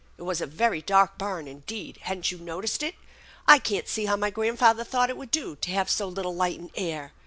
It was a very dark barn indeed. Hadn't you noticed it? I can't see how my grandfather thought it would do to have so little light and air.